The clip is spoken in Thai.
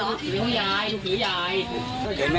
ลูกเผยเข้ามาเขาก็บอกว่า